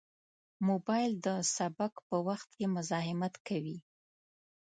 موبایل د سبق په وخت کې مزاحمت کوي.